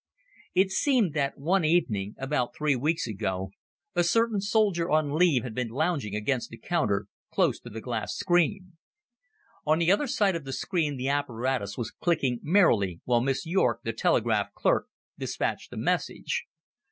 It seemed that one evening, about three weeks ago, a certain soldier on leave had been lounging against the counter, close to the glass screen. On the other side of the screen the apparatus was clicking merrily while Miss Yorke, the telegraph clerk, despatched a message.